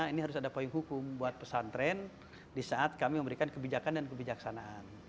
ini harus ada poin hukum buat pesantren di saat kami memberikan kebijakan dan kebijaksanaan